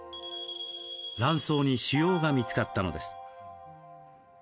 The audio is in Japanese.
卵巣に腫瘍が見つかったのです。